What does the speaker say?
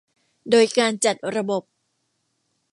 โดยการจัดระบบ